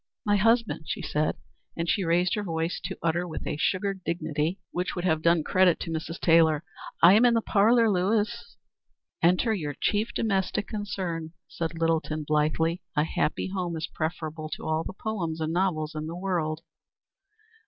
"My husband," she said, and she raised her voice to utter with a sugared dignity which would have done credit to Mrs. Taylor, "I am in the parlor, Lewis." "Enter your chief domestic concern," said Littleton blithely. "A happy home is preferable to all the poems and novels in the world."